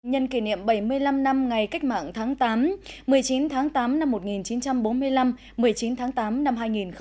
nhân kỷ niệm bảy mươi năm năm ngày cách mạng tháng tám một mươi chín tháng tám năm một nghìn chín trăm bốn mươi năm một mươi chín tháng tám năm hai nghìn một mươi chín